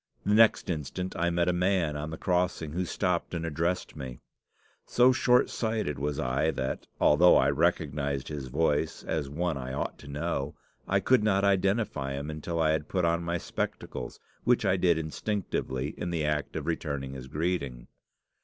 The next instant I met a man on the crossing, who stopped and addressed me. So short sighted was I that, although I recognised his voice as one I ought to know, I could not identify him until I had put on my spectacles, which I did instinctively in the act of returning his greeting.